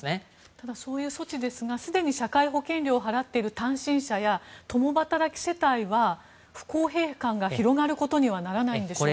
ただ、そういう措置ですがすでに社会保険料を払っている単身者や共働き世帯は不公平感が広がることにはならないんでしょうか。